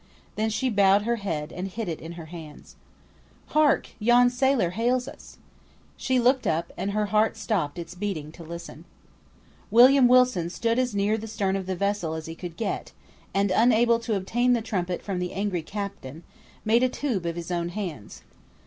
Then she bowed her head and hid it in her hands. "Hark! yon sailor hails us." She looked up. And her heart stopped its beating to listen. William Wilson stood as near the stern of the vessel as he could get; and unable to obtain the trumpet from the angry captain, made a tube of his own hands.